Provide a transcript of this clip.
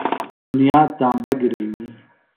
دُنیا تامبہ گِرئنی۔